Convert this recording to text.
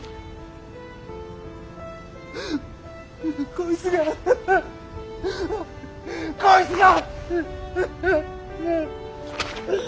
こいつがこいつが！